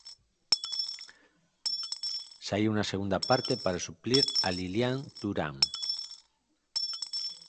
Saíu na segunda parte para suplir a Lilian Thuram.